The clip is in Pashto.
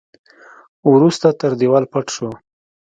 وروسته تر دېوال پټ شو.